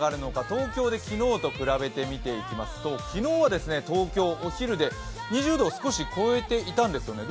東京で昨日と比べて見ていきますと昨日は東京、お昼で２０度を少し超えていたんですよね。